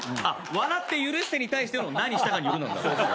「笑って許して」に対しての「何したかによる」なんだ。